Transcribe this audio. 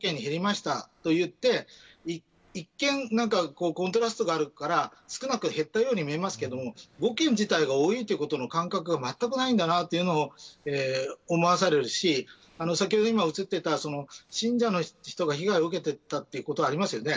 ただ７８件が５件に減りましたからといって一見、コントラストがあるから少なく、減ったように見えますが５件自体が多いということの感覚がまったくないんだなと思わされるし先ほど、映っていた信者の人が被害を受けていたということがありますよね。